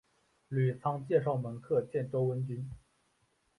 吕仓介绍门客见周文君。